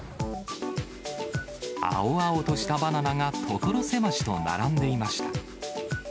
青々としたバナナが所狭しと並んでいました。